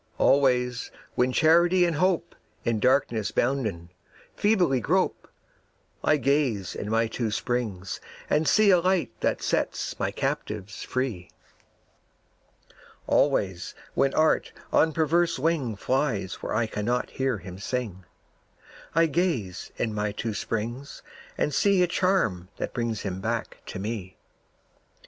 Always when Charity and Hope, In darkness bounden, feebly grope, I gaze in my two springs and see A Light that sets my captives free. Always, when Art on perverse wing Flies where I cannot hear him sing, I gaze in my two springs and see A charm that brings him back to me.